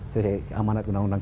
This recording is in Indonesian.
selesai amanat undang undang